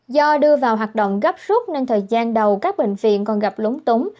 do đưa vào hoạt động gấp suốt nên thời gian đầu các bệnh viện còn gặp lúng túng